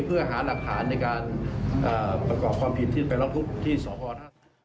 เพื่อหาหลักฐานในการประกอบความผิดที่ไปร้องทุกข์ที่สพท่า